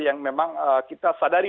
yang memang kita sadari